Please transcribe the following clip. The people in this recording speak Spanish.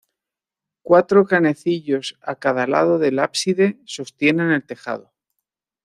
Cuatro canecillos a cada lado del ábside sostienen el tejado.